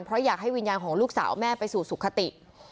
เพราะอยากให้วิญญาณของลูกสาวแม่ไปสู่สุขติ